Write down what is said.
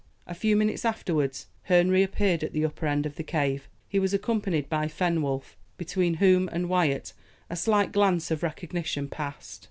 A few minutes afterwards Herne reappeared at the upper end of the cave. He was accompanied by Fenwolf, between whom and Wyat a slight glance of recognition passed.